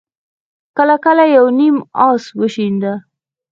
کله کله به يو نيم آس وشڼېد.